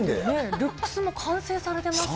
ルックスも完成されてますし。